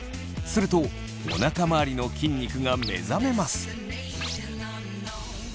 するとおなか周りの筋肉が目覚めます。